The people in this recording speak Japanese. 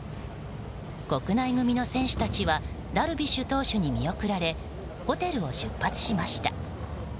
国内組の選手たちはダルビッシュ投手に見送られホテルを出発しました。